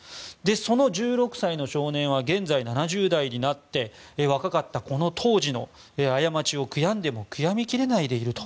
その１６歳の少年は現在、７０代になって若かったこの当時の過ちを悔やんでも悔やみ切れないでいると。